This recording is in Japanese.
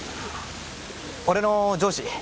俺の上司。